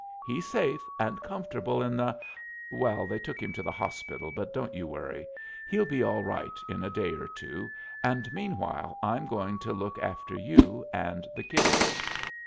He's safe, and comfortable in the well, they took him to the hospital, but don't you worry he'll be all right in a day or two, and meanwhile I'm going to look after you and the kiddies."